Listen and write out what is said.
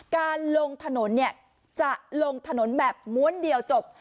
การลงถนนเนี่ยจะลงถนนแบบม้วนเดียวจบ